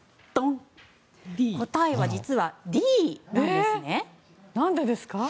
答えは実はＤなんですね。